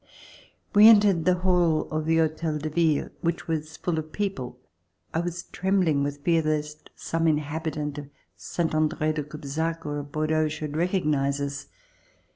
We entered the hall of the Hotel de Ville which was full of people. I was trembling with fear lest some in habitant of Salnt Andre de Cubzac or of Bordeaux should recognize us.